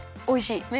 おいしい？